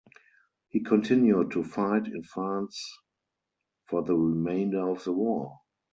He continued to fight in France for the remainder of the war.